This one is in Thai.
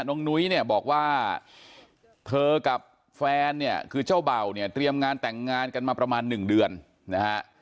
นุ้ยเนี่ยบอกว่าเธอกับแฟนเนี่ยคือเจ้าเบ่าเนี่ยเตรียมงานแต่งงานกันมาประมาณหนึ่งเดือนนะฮะ